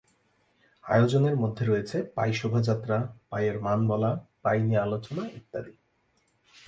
আয়োজনের মধ্যে রয়েছে পাই শোভাযাত্রা, পাই-এর মান বলা, পাই নিয়ে আলোচনা ইত্যাদি।